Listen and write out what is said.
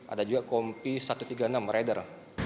ada juga kompi satu ratus tiga puluh enam beredar